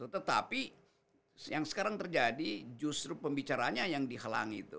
tetapi yang sekarang terjadi justru pembicaranya yang dihalangi itu